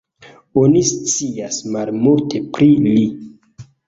Oni scias malmulte pri li.